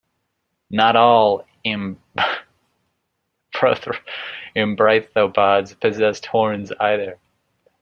Not all embrithopods possessed horns, either.